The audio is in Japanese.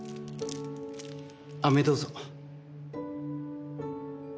あめどうぞ。